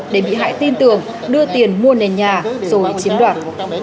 để bị hại tin tưởng đưa tiền mua nền nhà rồi chiếm đoạt